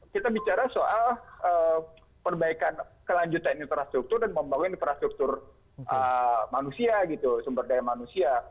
kita bicara soal perbaikan kelanjutan infrastruktur dan membangun infrastruktur manusia gitu sumber daya manusia